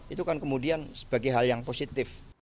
itu kan kemudian sebagai hal yang positif